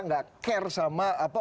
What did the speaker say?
gak care sama